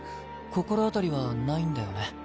心当たりはないんだよね？